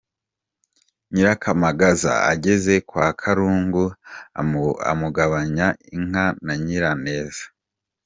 Nyirakamagaza ageze kwa Karungu amugabanya inka na Nyiraneza.